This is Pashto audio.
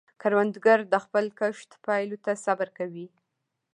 کروندګر د خپل کښت پایلو ته صبر کوي